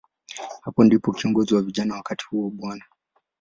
Hapo ndipo kiongozi wa vijana wakati huo, Bw.